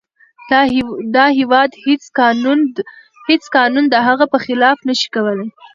د هیواد هیڅ قانون د هغه پر خلاف نشي کولی.